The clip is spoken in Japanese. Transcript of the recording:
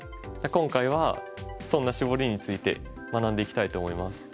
今回はそんなシボリについて学んでいきたいと思います。